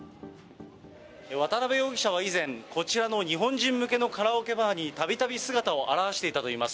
渡辺容疑者は以前、こちらの日本人向けのカラオケバーにたびたび姿を現していたといいます。